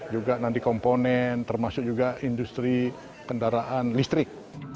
juga nanti komponen termasuk juga industri kendaraan listrik